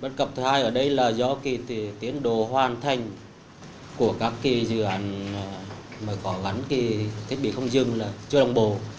bất cập thứ hai ở đây là do tiến độ hoàn thành của các dự án mà có gắn cái thiết bị không dừng là chưa đồng bộ